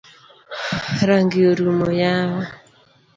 Rangi orumo yawa.